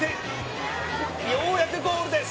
ようやくゴールです。